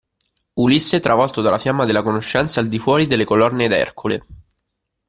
Ulisse travolto dalla fiamma della conoscenza al di fuori delle colonne d'Ercole.